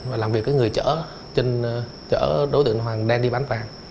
và làm việc với người chở đối tượng hoàng đen đi bán vàng